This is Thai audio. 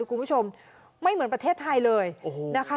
คุณผู้ชมไม่เหมือนประเทศไทยเลยนะคะ